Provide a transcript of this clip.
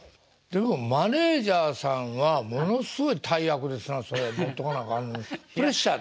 でもマネージャーさんはものすごい大役ですなそれ持っとかなあかんプレッシャーでっせ。